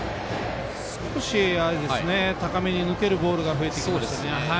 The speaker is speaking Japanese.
少し高めに抜けるボールが増えてきましたね。